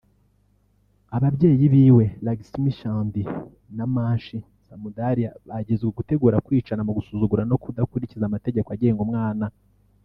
Ababyeyi biwe-Laxmi Chand na Manshi Samdariya- bagirizwa ugutegura kwica mu gusuzugura no kudakurikiza amategeko agenga umwana